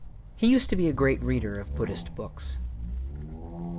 He used to be a great reader of Buddhist books.